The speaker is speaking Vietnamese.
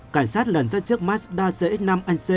cảnh sát lần ra chiếc mazda cx năm nc